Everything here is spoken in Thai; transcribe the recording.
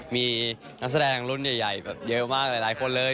มีนักแสดงรุ่นใหญ่เยอะมากหลายคนเลย